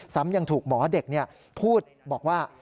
ยังถูกหมอเด็กพูดบอกว่า